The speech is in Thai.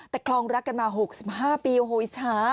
แต่คลองรักกันมา๖๕ปีโอ้โหช้า